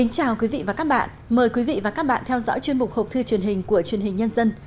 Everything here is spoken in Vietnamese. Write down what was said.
chào mừng quý vị đến với bộ phim học thư truyền hình của chuyên hình nhân dân